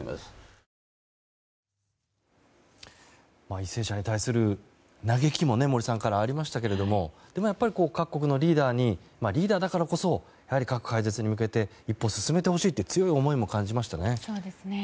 為政者に対する嘆きも森さんからありましたけれどもでも、各国のリーダーにリーダーだからこそ核廃絶に向けて一歩進めてほしいという強い思いも感じましたね。